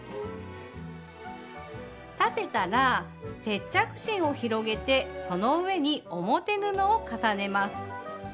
裁てたら接着芯を広げてその上に表布を重ねます。